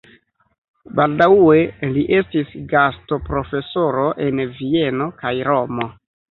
Baldaŭe li estis gastoprofesoro en Vieno kaj Romo.